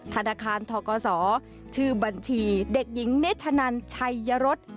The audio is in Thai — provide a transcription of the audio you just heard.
ธนาคารธศชื่อบัญชีเด็กหญิงนิชชะนันชัยรฤทธิ์